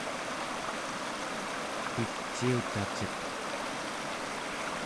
piciutaciq